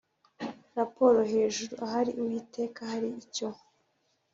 Raporo hejuru. Ahari Uwiteka hari icyo